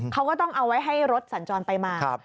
เขาก็เอาไว้ให้รถสัญญาณไปมา